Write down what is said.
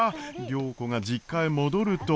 良子が実家へ戻ると。